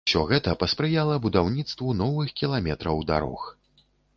Усё гэта паспрыяла будаўніцтву новых кіламетраў дарог.